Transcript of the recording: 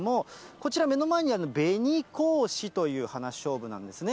こちら、目の前にある、紅公子という花しょうぶなんですね。